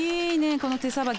この手さばき。